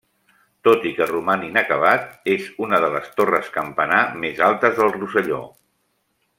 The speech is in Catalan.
Tot i que roman inacabat, és una de les torres-campanar més altes del Rosselló.